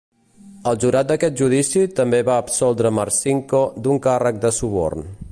El jurat d'aquest judici també va absoldre Marcinko d'un càrrec de suborn.